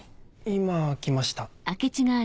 今来ました。